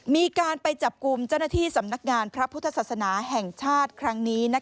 มีการไปจับกลุ่มเจ้าหน้าที่สำนักงานพระพุทธศาสนาแห่งชาติครั้งนี้